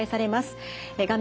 画面